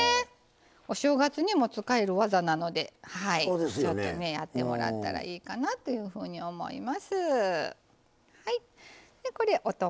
お正月にも使える技なのでやってもらったらいいかなというふうには思います。